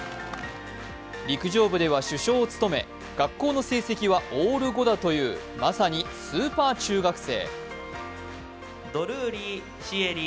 陸上部では主将を務め学校の成績はオール５だというまさにスーパー中学生。